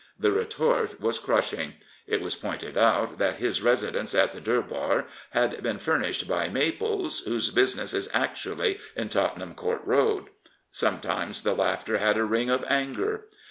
The retort was crushing. It was pointed out that his residence at the Durbar had been furnished by Maple's, whose business is actually in Tottenham Court Road. Sometimes the laughter had a ring of anger.